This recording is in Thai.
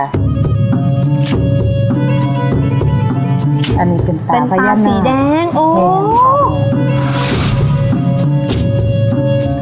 อันนี้เป็นตาภัยยะหน้าเป็นตาสีแดงโอ้แดงค่ะ